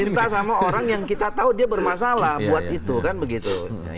kita sama orang yang kita tahu dia bermasalah buat itu kan begitu